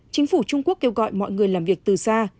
chính phủ trung quốc kêu gọi mọi người làm việc từ xa